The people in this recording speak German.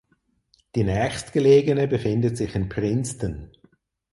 Die nächstgelegene befindet sich in Princeton.